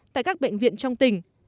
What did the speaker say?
tại các bệnh viện trong tỉnh